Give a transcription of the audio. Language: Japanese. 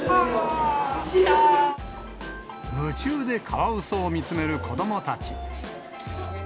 夢中でカワウソを見つめる子どもたち。